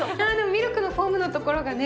ミルクのフォームのところがね